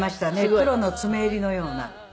黒の詰め襟のような。